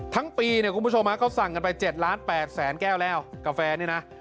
ทั้งปีคุณผู้ชมเขาสั่งกันไป๗๘ล้านแก้วแล้วกาแฟนี่นะ